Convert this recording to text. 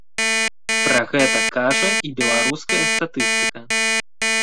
Пра гэта кажа і беларуская статыстыка.